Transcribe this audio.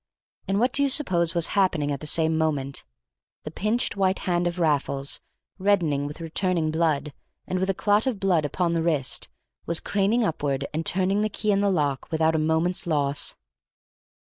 And what do you suppose was happening at the same moment? The pinched white hand of Raffles, reddening with returning blood, and with a clot of blood upon the wrist, was craning upward and turning the key in the lock without a moment's loss.